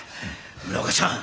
村岡しゃん